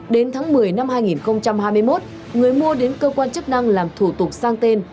đến tháng một mươi năm hai nghìn hai mươi một người mua đến cơ quan chức năng làm thủ tục sang tên